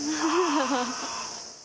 ハハハハ。